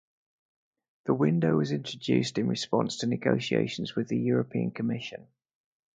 The window was introduced in response to negotiations with the European Commission.